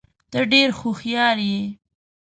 ته ډېر هوښیار یې.